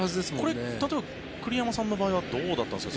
これ、例えば栗山さんの場合はどうだったんですか？